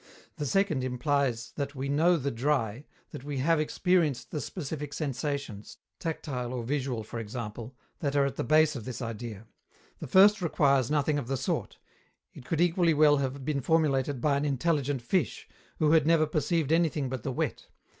The second implies that we know the dry, that we have experienced the specific sensations, tactile or visual for example, that are at the base of this idea. The first requires nothing of the sort; it could equally well have been formulated by an intelligent fish, who had never perceived anything but the wet.